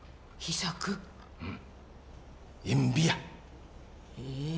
うん。